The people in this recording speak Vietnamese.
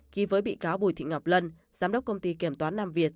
ký với bị cáo bùi thị ngọc lân giám đốc công ty kiểm toán nam việt